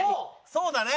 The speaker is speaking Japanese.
そうだね。